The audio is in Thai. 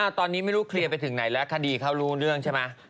ตอนนี้ไม่รู้เคลียร์ไปถึงไหนแล้วคดีเขารู้เรื่องใช่ไหม